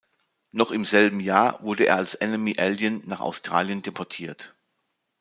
Noch im selben Jahr wurde er als Enemy Alien nach Australien deportiert.